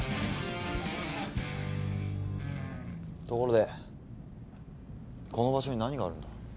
ところでこの場所に何があるんだ？